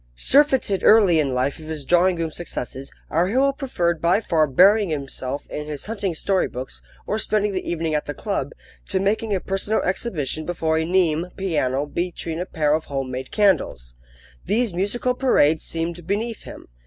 Surfeited early in life with his drawing room successes, our hero preferred by far burying himself in his hunting story books, or spending the evening at the club, to making a personal exhibition before a Nimes piano between a pair of home made candles. These musical parades seemed beneath him.